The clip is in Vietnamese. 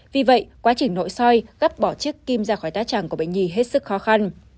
vì vậy quá trình nội soi gấp bỏ chiếc kim ra khỏi tá tràng của bệnh nhi hết sức khó khăn